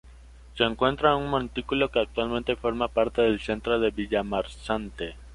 Se encuentra en un montículo que actualmente forma parte del centro de Villamarchante.